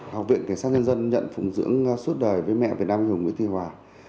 học viện cảnh sát nhân dân nhận phùng dưỡng suốt đời với mẹ việt nam anh hùng nguyễn thị hòa